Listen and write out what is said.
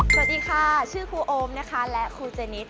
สวัสดีค่ะชื่อครูโอมนะคะและครูเจนิส